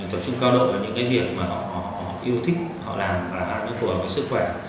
tập trung cao độ vào những cái việc mà họ yêu thích họ làm và nó phù hợp với sức khỏe